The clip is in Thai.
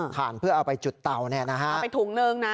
ถ่านเพื่อเอาไปจุดเตาแน่นฮะเอาไปถุงเนิ่งนะฮะ